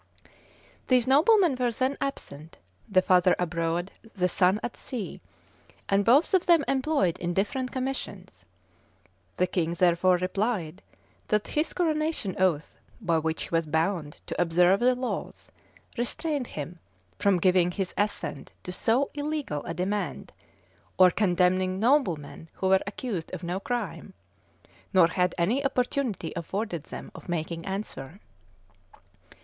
These noblemen were then absent; the father abroad, the son at sea; and both of them employed in different commissions: the king therefore replied, that his coronation oath, by which he was bound to observe the laws, restrained him from giving his assent to so illegal a demand, or condemning noblemen who were accused of no crime, nor had any opportunity afforded them of making answer.